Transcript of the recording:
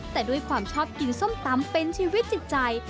แต่ด้วยความชอบกินส้มตำเป็นชีวิตจิตใจ